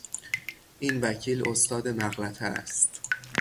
این وکیل استاد مغلطه است.